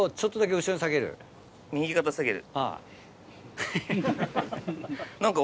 右肩下げる。